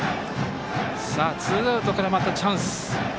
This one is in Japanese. ツーアウトから、またチャンス。